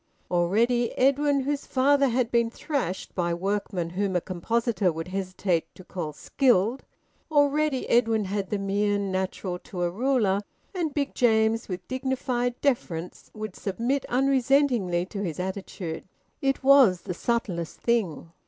Already Edwin, whose father had been thrashed by workmen whom a compositor would hesitate to call skilled already Edwin had the mien natural to a ruler, and Big James, with dignified deference, would submit unresentingly to his attitude. It was the subtlest thing.